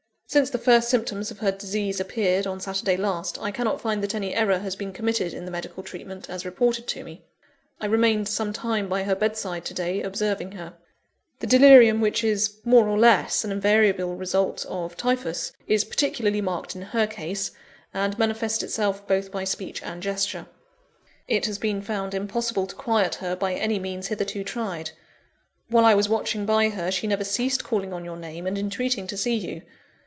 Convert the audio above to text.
"Since the first symptoms of her disease appeared, on Saturday last, I cannot find that any error has been committed in the medical treatment, as reported to me. I remained some time by her bedside to day, observing her. The delirium which is, more or less, an invariable result of Typhus, is particularly marked in her case, and manifests itself both by speech and gesture. It has been found impossible to quiet her, by any means hitherto tried. While I was watching by her, she never ceased calling on your name, and entreating to see you.